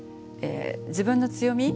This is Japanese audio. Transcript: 自分の強み